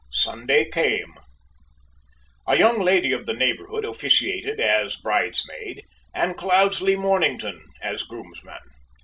Sunday came. A young lady of the neighborhood officiated as bridesmaid, and Cloudesley Mornington as groomsman.